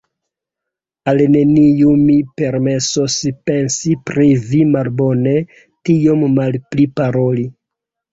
Al neniu mi permesos pensi pri vi malbone, tiom malpli paroli.